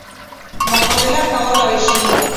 مقابله کولای شي.